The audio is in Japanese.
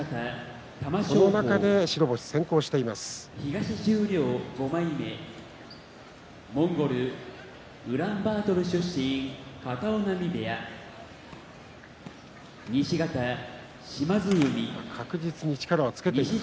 その中で白星先行している両者です。